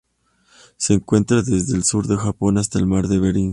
Se encuentra desde el sur del Japón hasta el mar de Bering.